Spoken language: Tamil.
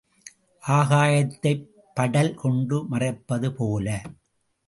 ஆகாயததைப் படல் கொண்டு மறைப்பது போல.